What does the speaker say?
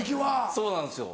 そうなんですよ。